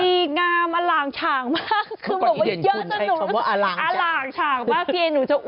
ดีงามอล่างฉ่างมาก